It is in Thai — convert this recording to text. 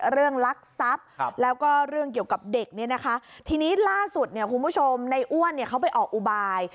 ลักทรัพย์แล้วก็เรื่องเกี่ยวกับเด็กเนี่ยนะคะทีนี้ล่าสุดเนี่ยคุณผู้ชมในอ้วนเนี่ยเขาไปออกอุบาย